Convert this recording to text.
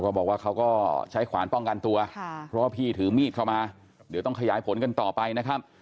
บอกว่าเขาก็ใช้ขวานป้องกันตัวเพราะว่าพี่ถือมีดเข้ามาเดี๋ยวต้องขยายผลกันต่อไปนะครับ